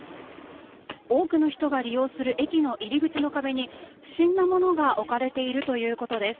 多くの人が利用する駅の入り口の壁に不審な物が置かれているということです。